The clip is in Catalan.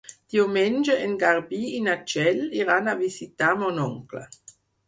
Diumenge en Garbí i na Txell iran a visitar mon oncle.